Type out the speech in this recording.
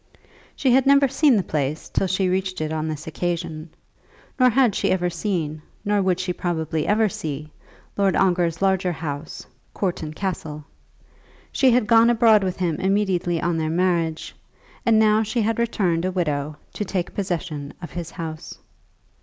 She had never seen the place till she reached it on this occasion; nor had she ever seen, nor would she now probably ever see, Lord Ongar's larger house, Courton Castle. She had gone abroad with him immediately on their marriage, and now she had returned a widow to take possession of his house.